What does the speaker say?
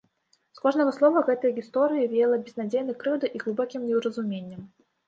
З кожнага слова гэтае гісторыі веяла безнадзейнай крыўдай і глыбокім неўразуменнем.